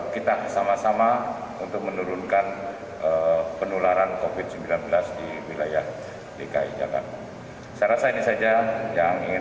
kita bersama sama untuk menurunkan penularan covid sembilan belas di wilayah dki jakarta saya rasa ini saja yang ingin